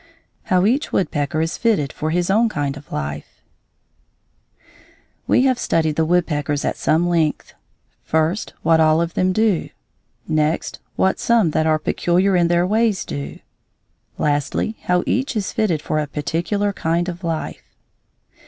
XV HOW EACH WOODPECKER IS FITTED FOR HIS OWN KIND OF LIFE We have studied the woodpeckers at some length: first, what all of them do; next, what some that are peculiar in their ways do; lastly, how each is fitted for a particular kind of life.